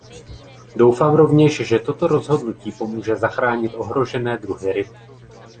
Doufám rovněž, že toto rozhodnutí pomůže zachránit ohrožené druhy ryb.